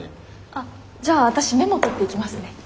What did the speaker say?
あっじゃあわたしメモとっていきますね。